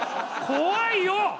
怖いよ！